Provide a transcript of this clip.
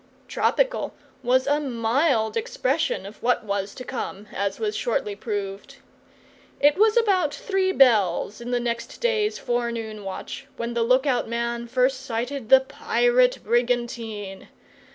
Tropical was a mild expression of what was to come, as was shortly proved. It was about three bells in the next day's forenoon watch when the look out man first sighted the pirate brigantine.